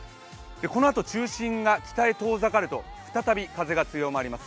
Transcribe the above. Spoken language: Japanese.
このあと中心が北へ遠ざかると再び風が強まります。